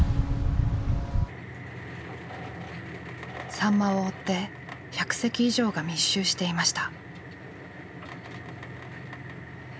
サンマを追って１００隻以上が密集していました。